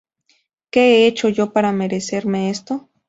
¿Qué he hecho yo para merecerme esto?